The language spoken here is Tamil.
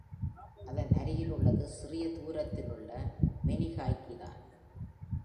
அதன் அருகிலுள்ளது சிறிது தூரத்தில் உள்ள Manihiki தான்.